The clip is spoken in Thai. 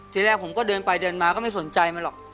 ทีแรกผมก็เดินไปเดินมาก็ไม่สนใจมันหรอก